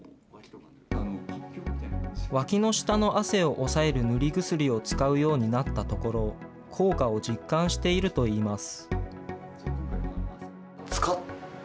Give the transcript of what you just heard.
わきの下の汗を抑える塗り薬を使うようになったところ、効果を実感しているといいます。